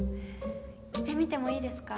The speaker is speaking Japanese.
着てみてもいいですか？